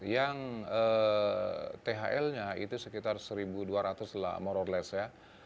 yang thl nya itu sekitar satu dua ratus lah more or less ya